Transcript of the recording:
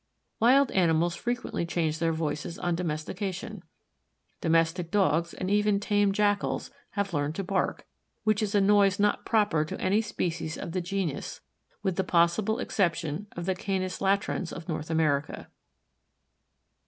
Wild animals frequently change their voices on domestication. Domestic Dogs and even tame Jackals have learned to bark, which is a noise not proper to any species of the genus, with the possible exception of the Canis latrans of North America.